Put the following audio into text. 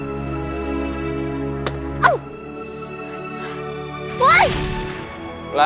tadi gua dengar dengar lu gini ya